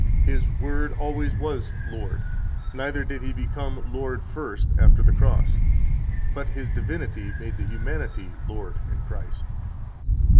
His Word always was Lord, neither did He become Lord first after the cross, but His divinity made the humanity Lord and Christ."